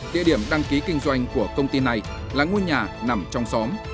địa điểm đăng ký kinh doanh của công ty này là ngôi nhà nằm trong xóm